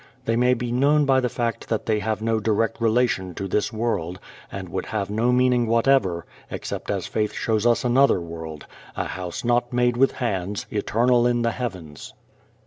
They may be known by the fact that they have no direct relation to this world, and would have no meaning whatever except as faith shows us another world, "an house not made with hands, eternal in the heavens."